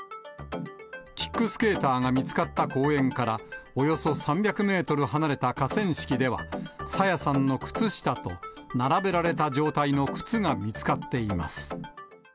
キックスケーターが見つかった公園からおよそ３００メートル離れた河川敷では、朝芽さんの靴下と、並べられた状態の靴が見つかっています。